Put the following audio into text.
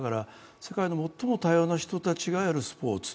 世界の最も多様な人たちがやるスポーツ。